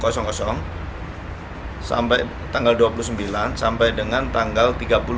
sampai tanggal dua puluh sembilan sampai dengan tanggal tiga puluh